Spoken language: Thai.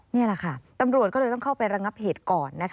นี่แหละค่ะตำรวจก็เลยต้องเข้าไประงับเหตุก่อน